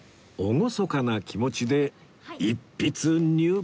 厳かな気持ちで一筆入魂！